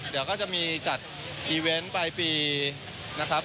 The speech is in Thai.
เดี๋ยวก็จะมีจัดอีเวนต์ปลายปีนะครับ